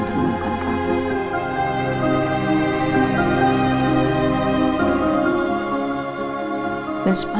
kau apa yang bosses